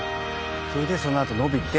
それでそのあと伸びて。